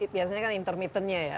biasanya kan intermittent nya ya